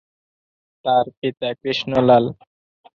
তার পিতা কৃষ্ণ লাল।